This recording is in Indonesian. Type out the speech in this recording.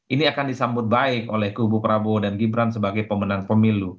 ini akan disambut baik oleh kubu prabowo dan gibran sebagai pemenang pemilu